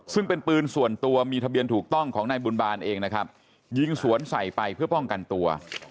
ซึ่งเป็นปืนส่วนตัวมีทะเบียนถูกต้องของนายบุญบาลเองนะครับยิงสวนใส่ไปเพื่อป้องกันตัว